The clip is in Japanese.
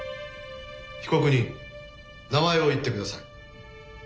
被告人名前を言ってください。